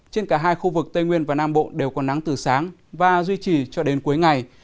trên cả hai khu vực tây nguyên và nam bộ đều có nắng từ sáng và duy trì cho đến cuối ngày